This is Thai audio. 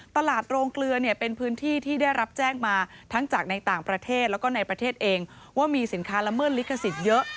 โรงเกลือเนี่ยเป็นพื้นที่ที่ได้รับแจ้งมาทั้งจากในต่างประเทศแล้วก็ในประเทศเองว่ามีสินค้าละเมิดลิขสิทธิ์เยอะ